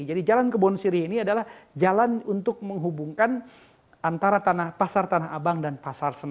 jadi jalan kebon siri ini adalah jalan untuk menghubungkan antara pasar tanah abang dan pasar senen